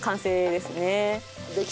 できた！